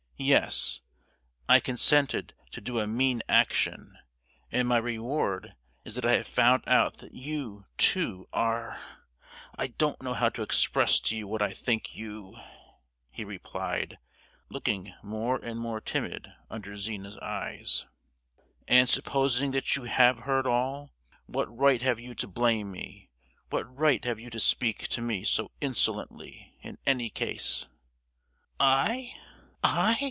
Yes—I consented to do a mean action, and my reward is that I have found out that you, too, are——I don't know how to express to you what I think you!" he replied, looking more and more timid under Zina's eyes. "And supposing that you have heard all: what right have you to blame me? What right have you to speak to me so insolently, in any case?" "I!—_I?